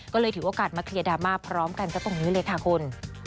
ก็เลยถือโอกาสมาเคลียร์ดราม่าพร้อมกันก็ตรงนี้เลยค่ะคุณ